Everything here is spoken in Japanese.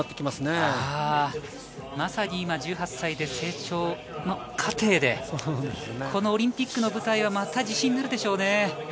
まさに今１８歳で成長過程でこのオリンピックの舞台がまた自信になるでしょうね。